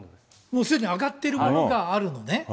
もうすでに上がってるものがあるのね。